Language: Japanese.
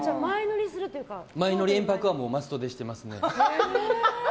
前乗り、延泊はマストでしてますね。